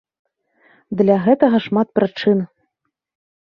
Для гэтага шмат прычын.